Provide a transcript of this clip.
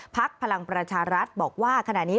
พลังประชารัฐบอกว่าขณะนี้